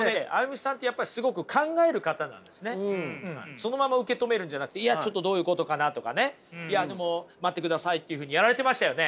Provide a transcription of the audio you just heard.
そのまま受け止めるんじゃなくていやちょっとどういうことかなとかねいやでも待ってくださいっていうふうにやられてましたよね。